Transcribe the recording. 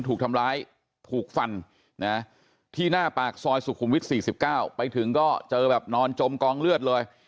ถูกทำร้ายถูกฟันที่หน้าปากซอยสุขุมวิท๔๙ไปถึงก็เจอแบบนอนจมกองเลือดเลย